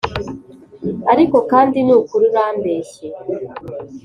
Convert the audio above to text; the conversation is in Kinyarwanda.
ariko kandi nukuri urambeshye"